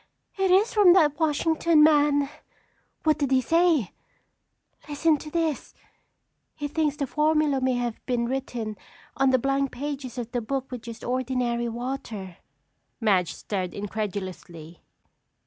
"Oh, it is from that Washington man!" "What does he say?" "Listen to this! He thinks the formula may have been written on the blank pages of the book with just ordinary water." Madge stared incredulously.